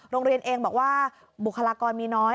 โรงเรียนเองบอกว่าบุคลากรมีน้อย